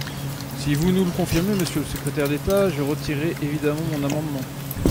Si vous nous le confirmez, monsieur le secrétaire d’État, je retirerai évidemment mon amendement.